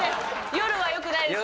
夜はよくないです。